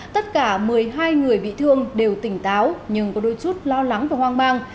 tất cả một mươi hai người bị thương đều tỉnh táo nhưng có đôi chút lo lắng và hoang mang